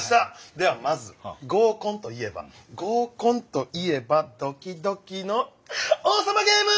ではまず合コンといえば合コンといえばドキドキの王様ゲーム！